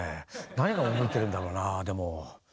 何を覚えてるんだろうなでも。